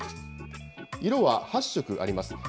色は８色あります。